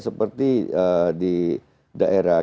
seperti di daerah